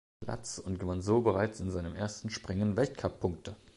Platz und gewann so bereits in seinem ersten Springen Weltcup-Punkte.